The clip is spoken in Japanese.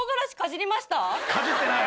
かじってない。